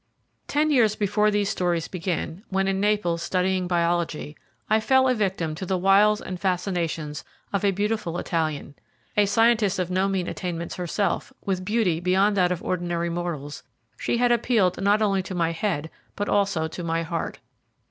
Ten years before these stories begin, when in Naples studying biology, I fell a victim to the wiles and fascinations of a beautiful Italian. A scientist of no mean attainments herself, with beauty beyond that of ordinary mortals, she had appealed not only to my head, but also to my heart.